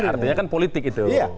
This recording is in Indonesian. artinya kan politik itu